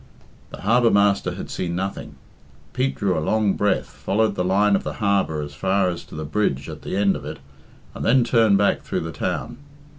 The harbour master had seen nothing. Pete drew a long breath, followed the line of the harbour as far as to the bridge at the end of it, and then turned back through the town.